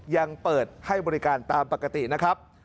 ยังเปิดให้บริการตามปกตินะครับ